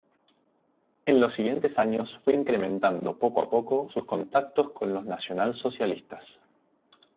En los siguientes años fue incrementando poco a poco sus contactos con los nacionalsocialistas.